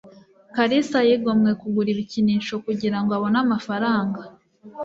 Kalisa Yigomwe kugura ibikinisho kugira ngo abone amafaranga